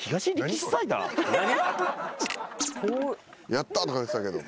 「やったー」とか言ってたけど。